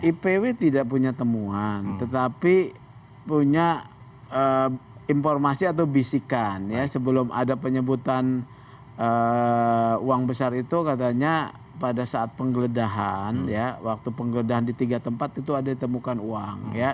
ipw tidak punya temuan tetapi punya informasi atau bisikan ya sebelum ada penyebutan uang besar itu katanya pada saat penggeledahan waktu penggeledahan di tiga tempat itu ada ditemukan uang